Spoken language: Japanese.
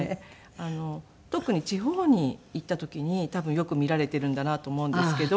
特に地方に行った時に多分よく見られているんだなと思うんですけど。